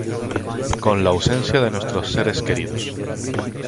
con la ausencia de nuestros seres queridos,